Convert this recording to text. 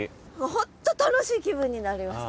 本当楽しい気分になりました。